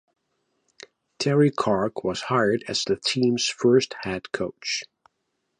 Terry Karg was hired as the team's first head coach.